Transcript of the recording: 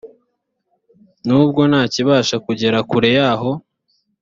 nubwo ntakibasha kugera kure yaho